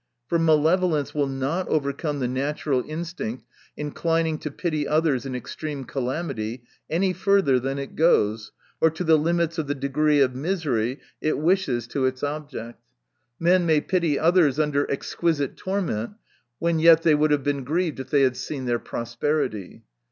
For malev olence will not overcome the natural instinct, inclining to pity others in ex treme calamity, any further than it goes, or to the limits of the degree of misery it wishes to its object. Men may pity others under exquisite torment, when yet they would have been grieved if they had seen their prosperity.